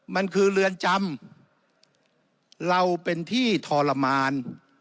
มันคือเรือนจำเราเป็นที่ทรมาน